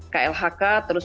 klhk terus memonitorkan